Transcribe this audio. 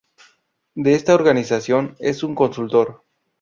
De esta Organización es un consultor.